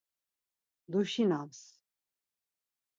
Duşinams.